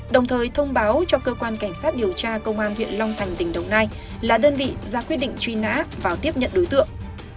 đồng thời thông báo cho cơ quan cảnh sát điều tra công an huyện long thành tỉnh đồng nai là đơn vị ra quyết định truy nã vào tiếp nhận đối tượng